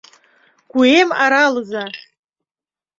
«Куэм аралыза!